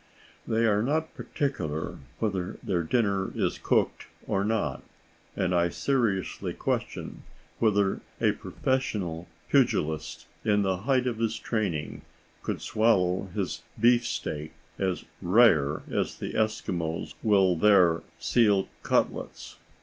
They are not particular whether their dinner is cooked or not, and I seriously question whether a professional pugilist in the height of his training could swallow his beef steak as "rare" as the Eskimos will their seal cutlets.